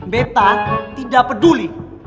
beta tidak peduli